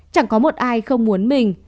chẳng có một ai không muốn mình